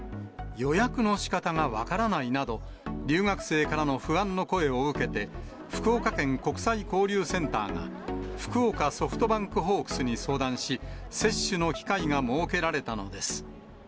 予約のしかたが分からないなど、留学生からの不安の声を受けて、福岡県国際交流センターが、福岡ソフトバンクホークスに相談し、接種の機会が設けられたのです。